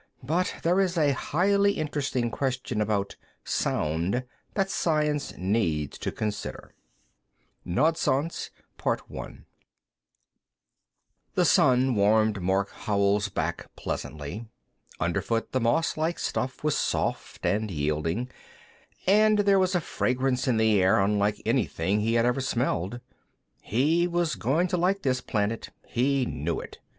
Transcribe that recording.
But there is a highly interesting question about "sound" that Science needs to consider.... BY H. BEAM PIPER ILLUSTRATED BY MOREY The sun warmed Mark Howell's back pleasantly. Underfoot, the mosslike stuff was soft and yielding, and there was a fragrance in the air unlike anything he had ever smelled. He was going to like this planet; he knew it.